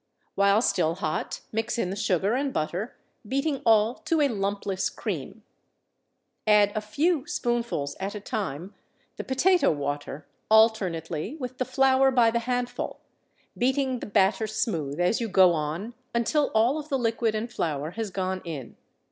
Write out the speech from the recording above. While still hot, mix in the sugar and butter, beating all to a lumpless cream. Add a few spoonfuls at a time, the potato water alternately with the flour by the handful, beating the batter smooth as you go on until all of the liquid and flour has gone in.